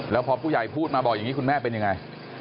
แล้วพอผู้ใหญ่พูดมาบอกอย่างนี้คุณแม่เป็นยังไง